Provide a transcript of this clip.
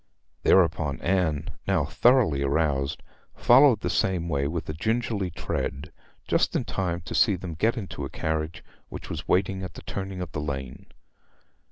Thereupon Anne, now thoroughly aroused, followed the same way with a gingerly tread, just in time to see them get into a carriage which was in waiting at the turning of the lane.